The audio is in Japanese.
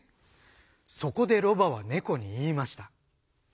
そこでロバは猫に言いました。